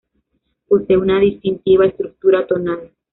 Posee una distintiva estructura tonal.